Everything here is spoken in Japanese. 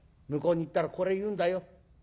向こうに行ったらこれ言うんだよ。